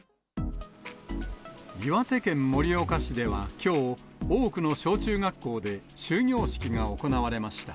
岩手県盛岡市ではきょう、多くの小中学校で、終業式が行われました。